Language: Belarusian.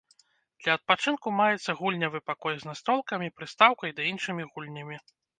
Для адпачынку маецца гульнявы пакой з настолкамі, прыстаўкай ды іншымі гульнямі.